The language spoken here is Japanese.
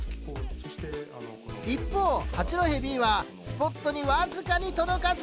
一方八戸Ｂはスポットに僅かに届かず。